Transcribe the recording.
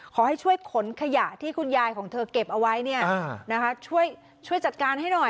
ขอให้ช่วยขนขยะที่คุณยายของเธอเก็บเอาไว้ช่วยจัดการให้หน่อย